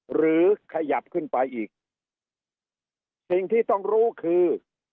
หรือขยับขึ้นไปอีกสิ่งที่ต้องรู้คือ